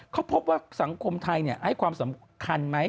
เขาพบว่าสังคมไทยให้ความสำคัญไหม